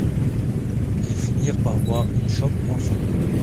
Ils finirent par boire une chope ensemble.